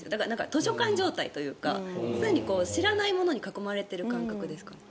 図書館状態というか常に知らないものに囲まれている感覚ですかね。